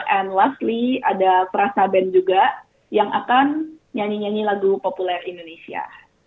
and lastly ada perasa band juga yang akan nyanyi nyanyi lagu populer indonesia